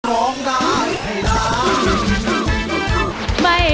ร้องได้ให้ร้าน